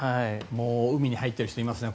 もう、海に入っている人いますね